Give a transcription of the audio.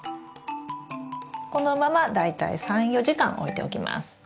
このまま大体３４時間置いておきます。